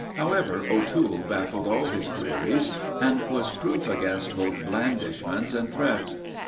However, O'Toole baffled all his queries, and was proof against both blandishments and threats.